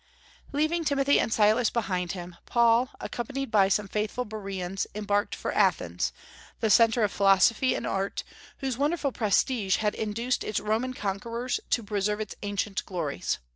Leaving Timothy and Silas behind him, Paul, accompanied by some faithful Bereans, embarked for Athens, the centre of philosophy and art, whose wonderful prestige had induced its Roman conquerors to preserve its ancient glories.